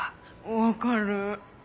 分かる。